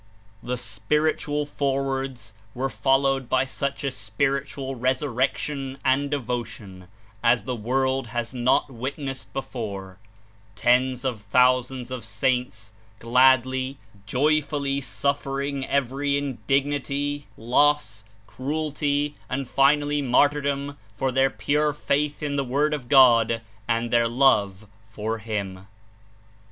The spiritual Forewords were followed by such a spiritual resurrection and devotion as the world has not witnessed before, tens of thousands of saints gladly, joyfully suffering every indignity, loss, cruelty and finally martyrdom for their pure faith in the Word of God and their love for him.